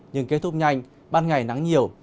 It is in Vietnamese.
nhưng kết thúc nhanh ban ngày nắng nhiều